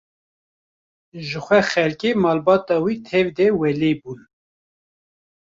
Ji xwe xelkê malbata wî tev de welê bûn.